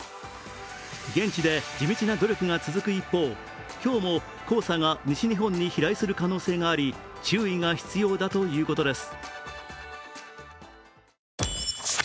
現地で地道な努力が続く一方、今日も黄砂が西日本に飛来する可能性があり、注意が必要だということです。